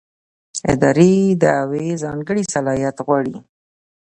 اداري دعوې ځانګړی صلاحیت غواړي.